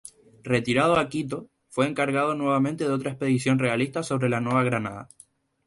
Retirado a Quito, fue encargado nuevamente de otra expedición realista sobre la Nueva Granada.